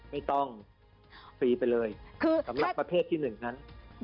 ไม่ต้องฟรีไปเลยสำหรับประเภทที่๑นั้น